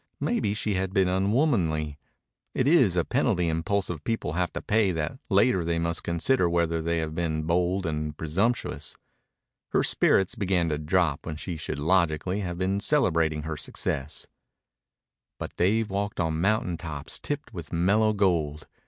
Maybe she had been unwomanly. It is a penalty impulsive people have to pay that later they must consider whether they have been bold and presumptuous. Her spirits began to droop when she should logically have been celebrating her success. But Dave walked on mountain tops tipped with mellow gold.